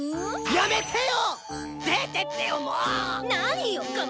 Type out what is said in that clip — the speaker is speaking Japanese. やめてよ！